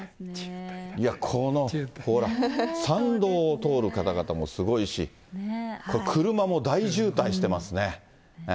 このほら、参道を通る方々もすごいし、車も大渋滞してますね。